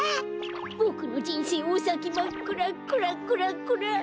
ボクのじんせいおさきまっくらクラクラクラ。